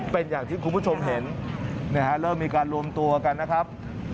เป็นอย่างที่คุณผู้ชมเห็นเริ่มมีการรวมตัวกันนะครับ